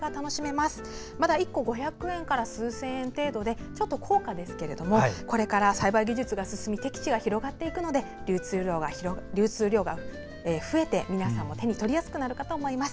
まだ１個５００円から数千円程度で高価ですがこれから栽培技術が進んで適地が広がってくるので流通量が増えて皆さんが手に取りやすくなると思います。